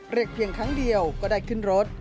เรียกเพียงครั้งเดียวก็ได้ขึ้นรถ